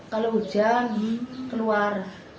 kalau hujan keluar